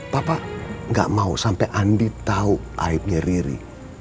papa gak mau sampai andi tahu aibnya riri